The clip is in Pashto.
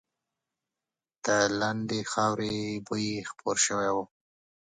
د لندې خاورې بوی خپور شوی و.